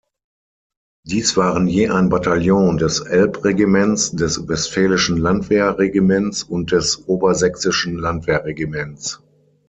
Dies waren je ein Bataillon des „Elb-Regiments“, des „Westfälischen Landwehr-Regiments“ und des „Obersächsischen Landwehr-Regiments“.